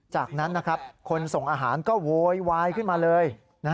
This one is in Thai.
จากนั้นคนส่งอาหารก็โวยวายขึ้นมาเลย